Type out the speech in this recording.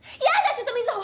ちょっと瑞穂